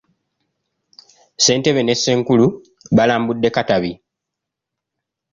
Ssentebe ne Ssenkulu balambudde Katabi.